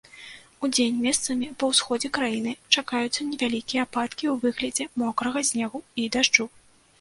Удзень месцамі па ўсходзе краіны чакаюцца невялікія ападкі ў выглядзе мокрага снегу і дажджу.